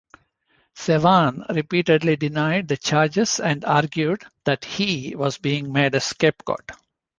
Sevan repeatedly denied the charges and argued that he was being made a "scapegoat".